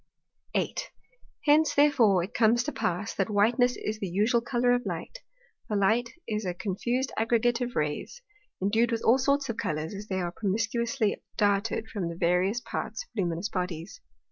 8. Hence therefore it comes to pass, that Whiteness is the usual Colour of Light; for Light is a confused aggregate of Rays, indued with all sorts of Colours, as they are promiscuously darted from the various parts of luminous Bodies.